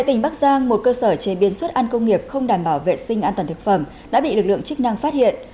tỉnh bắc giang một cơ sở chế biến xuất ăn công nghiệp không đảm bảo vệ sinh an toàn thực phẩm đã bị lực lượng chức năng phát hiện